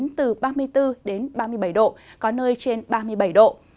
nhiệt độ cao nhất trong ngày phổ biến từ ba mươi bốn ba mươi bảy độ có nơi trên ba mươi bảy độ